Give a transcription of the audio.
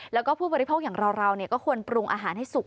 แล้วก็ผู้บริโภคอย่างเราก็ควรปรุงอาหารให้สุก